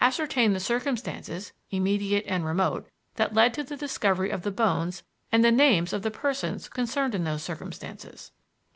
Ascertain the circumstances (immediate and remote) that led to the discovery of the bones and the names of the persons concerned in those circumstances.